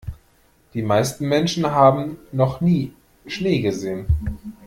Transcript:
Die meisten Menschen haben noch nie Schnee gesehen.